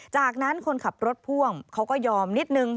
จากนั้นคนขับรถพ่วงเขาก็ยอมนิดนึง